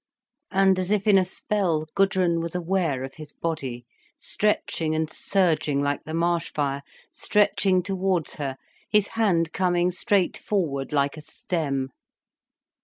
And as if in a spell, Gudrun was aware of his body, stretching and surging like the marsh fire, stretching towards her, his hand coming straight forward like a stem.